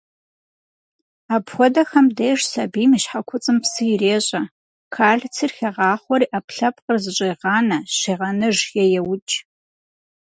Апхуэдэхэм деж сабийм и щхьэкуцӏым псы ирещӏэ, кальцийр хегъахъуэри, ӏэпкълъэпкъыр зэщӏегъанэ, щегъэныж е еукӏ.